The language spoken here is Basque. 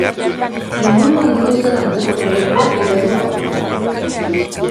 Inguruan dituzten antzeko proiektuak eredu hartuta.